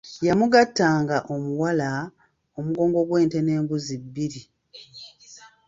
"Yamugattanga omuwala, omugongo gw’ente n’embuzi bbiri."